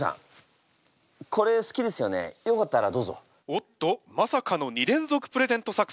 おっとまさかの２連続プレゼント作戦。